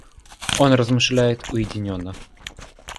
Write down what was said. Он размышляет уединенно.